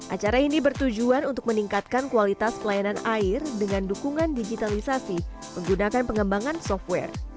acara ini bertujuan untuk meningkatkan kualitas pelayanan air dengan dukungan digitalisasi menggunakan pengembangan software